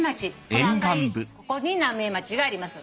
この赤いここに浪江町があります。